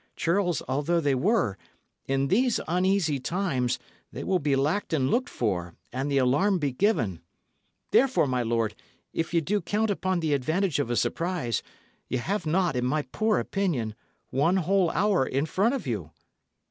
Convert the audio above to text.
Churls although they were, in these uneasy times they will be lacked and looked for, and the alarm be given. Therefore, my lord, if ye do count upon the advantage of a surprise, ye have not, in my poor opinion, one whole hour in front of you."